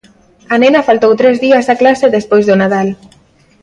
A nena faltou tres días a clase despois do Nadal.